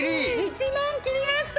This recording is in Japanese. １万切りました！